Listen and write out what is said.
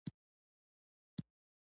ایا زه شات خوړلی شم؟